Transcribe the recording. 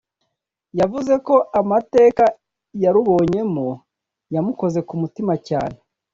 yavuze ko amateka yarubonyemo yamukoze ku mutima cyane